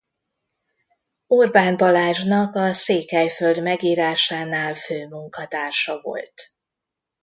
Orbán Balázsnak a Székelyföld megírásánál főmunkatársa volt.